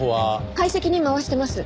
解析に回してます。